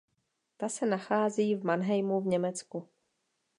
Ta se nachází v Mannheimu v Německu.